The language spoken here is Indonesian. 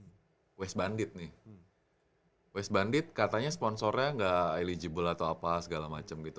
diomongin ya bro ya wes bandit nih wes bandit katanya sponsornya gak eligible atau apa segala macam gitu